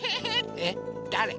えっだれ？